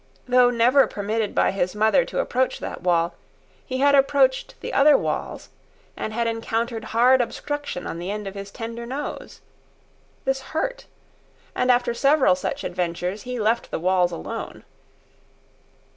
Though never permitted by his mother to approach that wall, he had approached the other walls, and encountered hard obstruction on the end of his tender nose. This hurt. And after several such adventures, he left the walls alone.